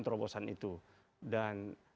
terobosan itu dan